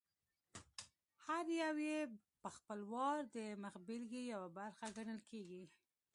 هر یو یې په خپل وار د مخبېلګې یوه برخه ګڼل کېږي.